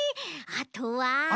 あとは？